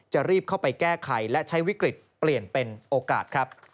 จะรีบเข้าไปแก้ไขและใช้วิกฤตเปลี่ยนเป็นโอกาสครับ